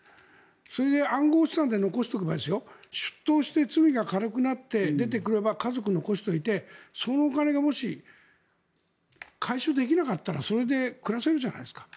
それで、暗号資産で残しておけば出頭して罪が軽くなって出てくれば家族を残しておいて、そのお金がもし、回収できなかったらそれで暮らせるじゃないですか。